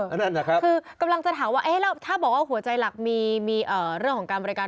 เออคือกำลังจะถามว่าถ้าบอกว่าหัวใจหลักมีเรื่องของการบริการ